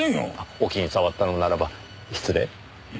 お気に障ったのならば失礼。